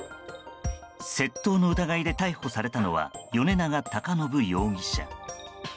窃盗の疑いで逮捕されたのは米永隆信容疑者。